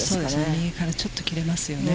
右からちょっと切れますよね。